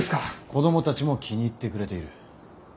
子供たちも気に入ってくれている。